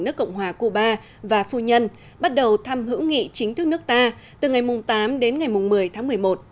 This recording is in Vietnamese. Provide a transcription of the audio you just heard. nước cộng hòa cuba và phu nhân bắt đầu thăm hữu nghị chính thức nước ta từ ngày tám đến ngày một mươi tháng một mươi một